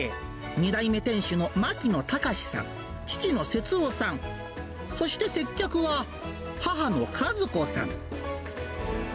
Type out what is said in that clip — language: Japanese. ２代目店主の牧野隆さん、父の節男さん、そして接客は、母の和子さん。